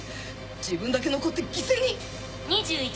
自分だけ残って犠牲に⁉２１。